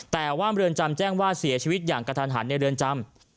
แต่ว่าเมืองจำแจ้งว่าเสียชีวิตอย่างกระทันหันในเรือนจำ